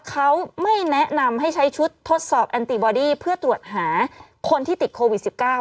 เขาไม่แนะนำให้ใช้ชุดทดสอบแอนติบอดี้เพื่อตรวจหาคนที่ติดโควิด๑๙